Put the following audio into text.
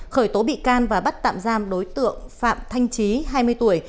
khởi tố bị can và bắt tạm giam đối tượng phạm thanh trí hai mươi tuổi